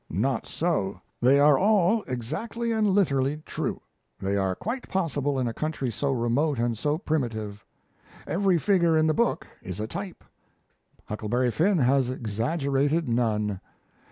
Not so. They are all exactly and literally true; they are quite possible in a country so remote and so primitive. Every figure in the book is a type; Huckleberry Finn has exaggerated none.